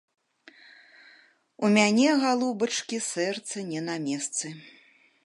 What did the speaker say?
У мяне, галубачкі, сэрца не на месцы!